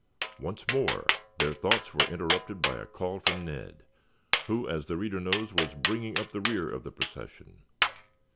Once more their thoughts were interrupted by a call from Ned, who, as the reader knows, was bringing up the rear of the procession.